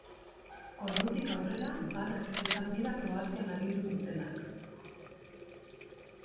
Ordutik aurrera Banak izan dira Kroazian agindu dutenak.